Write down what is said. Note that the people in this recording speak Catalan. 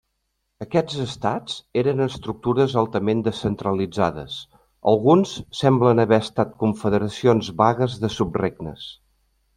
Aquests estats eren estructures altament descentralitzades; alguns semblen haver estat confederacions vagues de subregnes.